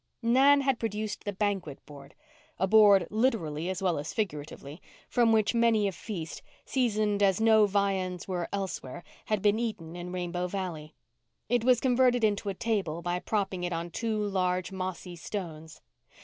Nan had produced the banquet board—a board literally as well as figuratively—from which many a feast, seasoned as no viands were elsewhere, had been eaten in Rainbow Valley. It was converted into a table by propping it on two large, mossy stones.